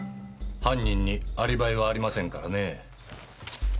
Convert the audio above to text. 犯人にアリバイはありませんからねぇ。